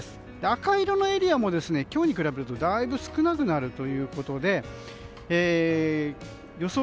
赤色のエリアも今日に比べるとだいぶ少なくなるということで予想